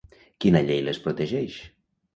Quina llei les protegeix?